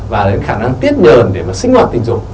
và đến khả năng tiết đờn để mà sinh hoạt tình dục